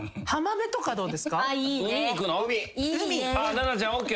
奈々ちゃんＯＫ？